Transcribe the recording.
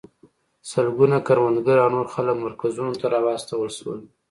سلګونه کروندګر او نور خلک مرکزونو ته راوستل شول.